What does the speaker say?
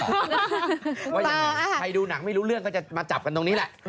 ว่ายังไงใครดูหนังไม่รู้เรื่องก็จะมาจับกันตรงนี้แหละ